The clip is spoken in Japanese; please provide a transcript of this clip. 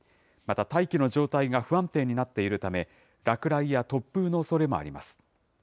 また、大気の状態が不安定になっているため、落雷や突風のおそれもあります。